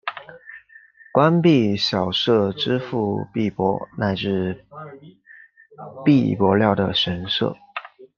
官币小社支付币帛乃至币帛料的神社。